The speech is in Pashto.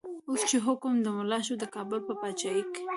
اوس چه حکم د ملا شو، دکابل په پاچایی کی